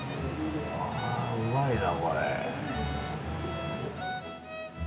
あうまいなこれ。